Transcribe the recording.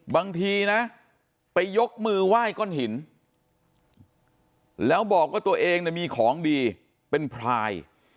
บางทีนะไปยกมือไหว้ก้อนหินแล้วบอกว่าตัวเองมีของดีเป็นพลาย